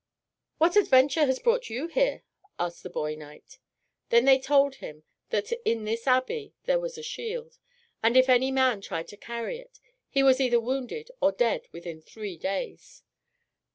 "What adventure has brought you here?" asked the boy knight. Then they told him that in this abbey there was a shield. And if any man tried to carry it, he was either wounded or dead within three days.